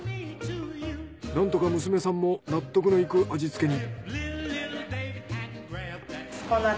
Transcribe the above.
なんとか娘さんも納得のいく味付けに。